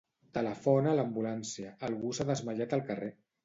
Telefona a l'ambulància; algú s'ha desmaiat al carrer.